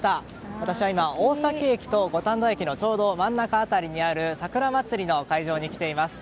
私は今、大崎駅と五反田駅のちょうど真ん中辺りにあるさくらまつりの会場に来ています。